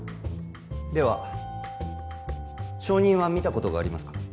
では証人は見たことがありますか？